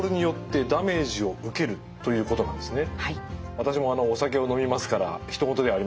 私もお酒を飲みますからひと事ではありません。